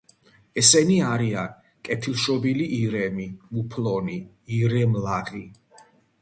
ესენი არიან: კეთილშობილი ირემი, მუფლონი, ირემლაღი.